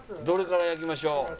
どれから焼きましょう。